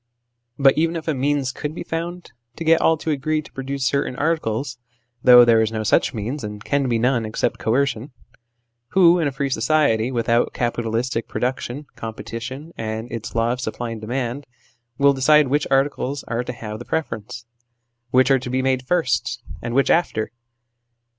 But even if a means could be found to get THE SOCIALIST IDEAL 55 all to agree to produce certain articles (though there is no such means, and can be none, except coercion), who, in a free society, without capitalistic production, competition and its law of supply and demand, will decide which articles are to have the preference ? Which are to be made first, and which after